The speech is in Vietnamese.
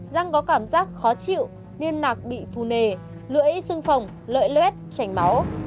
răng có cảm giác khó chịu niêm nạc bị phù nề lưỡi xương phồng lợi luyết tránh máu